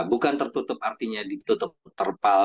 bukan tertutup artinya ditutup terpal